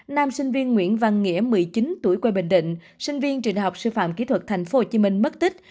nam sinh viên nguyễn văn nghĩa một mươi chín tuổi quê bình định sinh viên trường đại học sư phạm kỹ thuật thành phố hồ chí minh mất tích